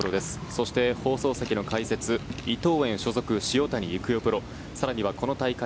そして、放送席の解説伊藤園所属、塩谷育代